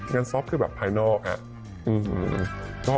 งานซอฟท์ใช้แบบภายนอกอ่า